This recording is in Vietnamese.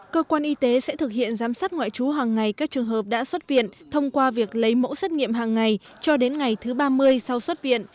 cơ quan y tế sẽ thực hiện giám sát ngoại trú hàng ngày các trường hợp đã xuất viện thông qua việc lấy mẫu xét nghiệm hàng ngày cho đến ngày thứ ba mươi sau xuất viện